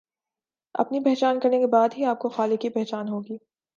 اپنی پہچان کرنے کے بعد ہی آپ کو خالق کی پہچان ہوگی۔